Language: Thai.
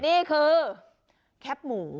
นี่คือแคปหมู